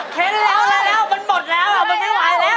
เห็นแล้วมั้ยละครับมันบ่นแล้วอะมายังไม่หวานแล้วอะ